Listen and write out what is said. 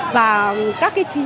và các cái chi nhánh